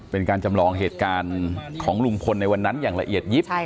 เป็นการจำลองเหตุการณ์ของลุงพลในวันนั้นอย่างละเอียดยิบ